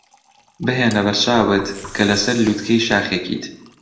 بهێنە بەرچاوت کە لەسەر لووتکەی شاخێکیت.